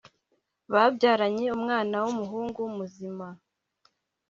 babyaranye umwana wumuhungu muzima